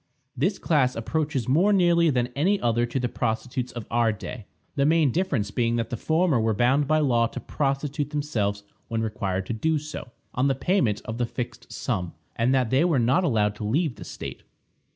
This class approaches more nearly than any other to the prostitutes of our day, the main difference being that the former were bound by law to prostitute themselves when required to do so, on the payment of the fixed sum, and that they were not allowed to leave the state.